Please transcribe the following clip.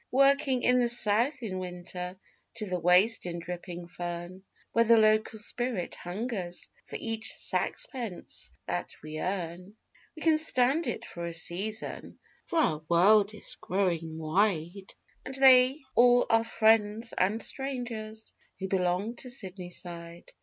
Working in the South in winter, to the waist in dripping fern, Where the local spirit hungers for each 'saxpence' that we earn We can stand it for a season, for our world is growing wide, And they all are friends and strangers who belong to Sydney Side.